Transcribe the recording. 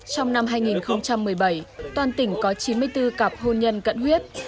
trong năm hai nghìn một mươi bảy toàn tỉnh có chín mươi bốn cặp hôn nhân cận huyết